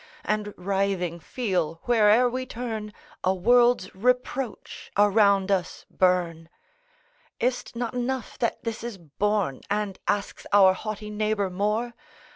And, writhing, feel, where'er we turn, A world's reproach around us burn? Is't not enough that this is borne? And asks our haughty neighbor more?